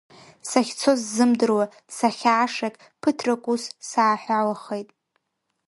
Сахьцо сзымдыруа, сахьаашагь, ԥыҭрак ус сааҳәалахеит.